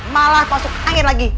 malah masuk angin lagi